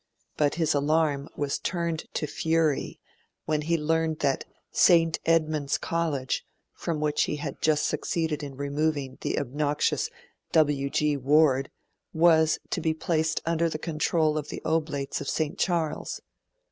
But his alarm was turned to fury when he learned that St. Edmund's College, from which he had just succeeded in removing the obnoxious W. G. Ward, was to be placed under the control of the Oblates of St. Charles.